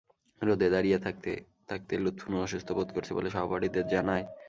রোদে দাঁড়িয়ে থাকতে থাকতে লুৎফুন অসুস্থ বোধ করছে বলে সহপাঠীদের জানায়।